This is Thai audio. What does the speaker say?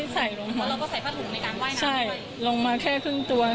พูดสิทธิ์ข่าวธรรมดาทีวีรายงานสดจากโรงพยาบาลพระนครศรีอยุธยาครับ